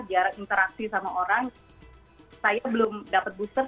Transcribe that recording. jarak interaksi sama orang saya belum dapat booster